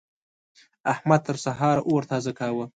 احمد تر سهار اور تازه کاوو.